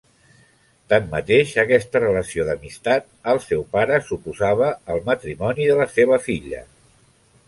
Tanmateix aquesta relació d'amistat, el seu pare s'oposava al matrimoni de la seva filla.